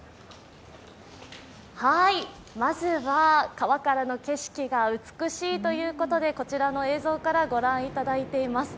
まずは川からの景色が美しいということでこちらの映像からご覧いただいています。